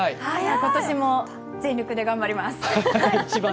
今年も全力で頑張ります。